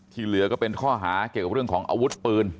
เหลือก็เป็นข้อหาเกี่ยวกับเรื่องของอาวุธปืน